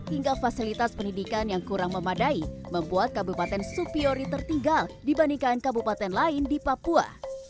hingga fasilitas pendidikan yang kurang memadai membuat kabupaten supiori tertinggal dibandingkan kabupaten lain di papua